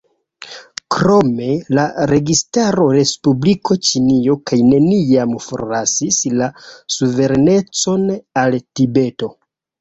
Krome, la registaro Respubliko Ĉinio kaj neniam forlasis la suverenecon al Tibeto.